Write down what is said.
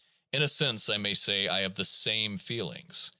In a sense I may say I have the "same" feelings.